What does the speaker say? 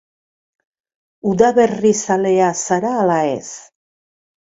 Udaberrizalea zara ala ez?